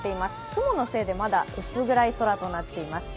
雲のせいでまだ薄暗い空となっています。